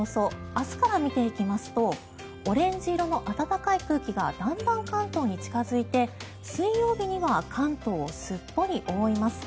明日から見ていきますとオレンジ色の暖かい空気がだんだん関東に近付いて水曜日には関東をすっぽり覆います。